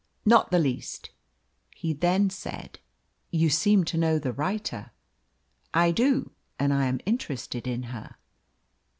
"Not the least," he then said. "You seem to know the writer." "I do, and I am interested in her."